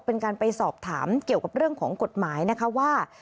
เป็นการไปสอบถามเกี่ยวกับเรื่องของกฎหมายนะคะว่า